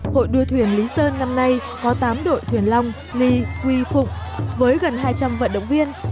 hội đua thuyền lý sơn năm nay có tám đội thuyền lòng nghi quy phục với gần hai trăm linh vận động viên